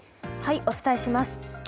お伝えします。